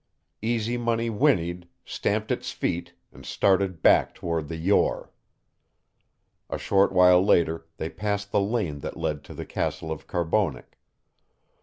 _ Easy Money whinnied, stamped its feet, and started back toward the Yore. A short while later they passed the lane that led to the castle of Carbonek.